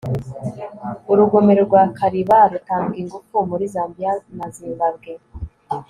urugomero rwa kariba, rutanga ingufu muri zambiya na zimbabwe